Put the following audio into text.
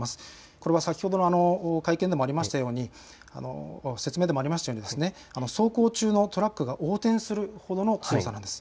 これは先ほどの会見でもありましたように、説明でもありましたように走行中のトラックが横転するほどの強さなんです。